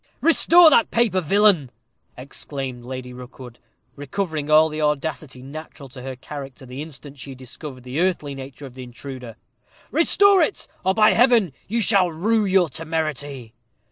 "Restore that paper, villain," exclaimed Lady Rookwood, recovering all the audacity natural to her character the instant she discovered the earthly nature of the intruder "restore it, or, by Heaven, you shall rue your temerity."